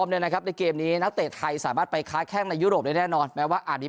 เตะไทยสามารถไปค้าแค่ในยุโรปแน่แน่นอนแม้ว่าอาจมี